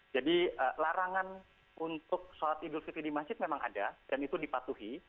jadi larangan untuk sholat idul fitri di masjid memang ada dan itu dipatuhi